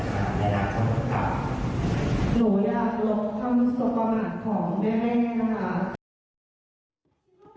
หนูอยากลบความสุขภาพของแม่แม่ค่ะ